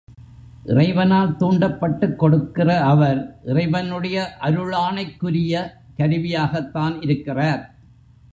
இறைவனால் தூண்டப்பட்டுக் கொடுக்கிற அவர் இறைவனுடைய அருளாணைக்குரிய கருவியாகத்தான் இருக்கிறார்.